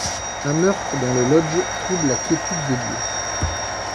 Un meurtre dans le lodge trouble la quiétude des lieux.